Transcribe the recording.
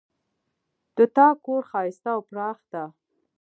د تا کور ښایسته او پراخ ده